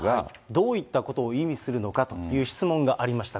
どういったことを意味するのかという質問がありました。